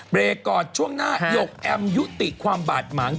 เบรกก่อนช่วงหน้าหยกแอมยุติความบาดหมาง